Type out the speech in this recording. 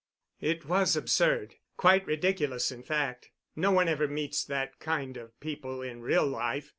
"It was absurd—quite ridiculous in fact. No one ever meets that kind of people in real life.